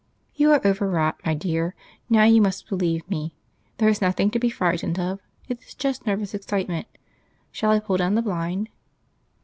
"You are overwrought, my dear.... Now you must believe me. There is nothing to be frightened of. It is just nervous excitement.... Shall I pull down the blind?"